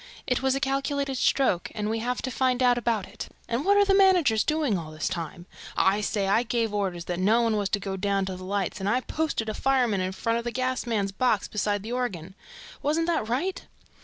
It was a calculated stroke and we have to find out about it ... And what are the managers doing all this time? ... I gave orders that no one was to go down to the lights and I posted a fireman in front of the gas man's box beside the organ. Wasn't that right?"